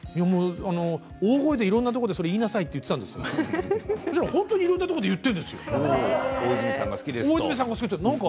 大声でいろんなところで言いなさいと言っていたんだけれどそしたら本当にいろんなところで言っているんですよ大泉さんが好きだと。